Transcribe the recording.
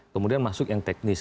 kemudian masuk yang teknis